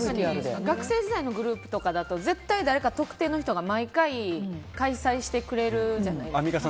学生時代のグループとかだと絶対誰か特定の人が毎回開催してくれるじゃないですか。